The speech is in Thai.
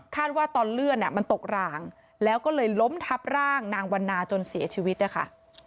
ว่าตอนเลื่อนมันตกรางแล้วก็เลยล้มทับร่างนางวันนาจนเสียชีวิตนะคะ